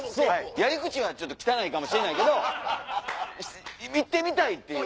やり口は汚いかもしれないけど行ってみたいっていう。